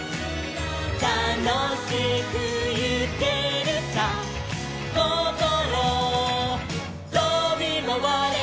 「たのしくいけるさ」「こころとびまわれ」